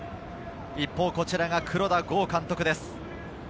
一方こちらが黒田剛監督です。